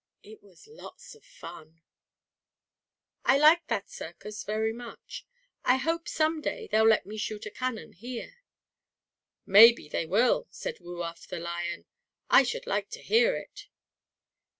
It was lots of fun! "I liked that circus very much. I hope, someday, they'll let me shoot a cannon here." "Maybe they will," said Woo Uff, the lion. "I should like to hear it.